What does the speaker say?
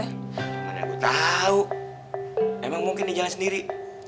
gimana gue tau emang mungkin dia jalan sendiri